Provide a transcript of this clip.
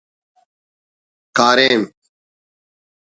کاریم